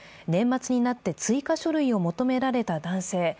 年末になって追加書類を求められた男性。